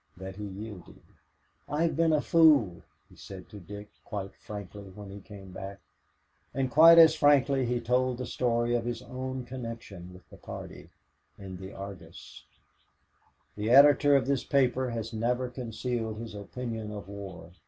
that he yielded. "I've been a fool," he said to Dick quite frankly when he came back, and quite as frankly he told the story of his own connection with the party in the Argus. "The editor of this paper has never concealed his opinion of war.